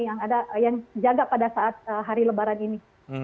yang ada yang jaga pada saat hari lebaran ini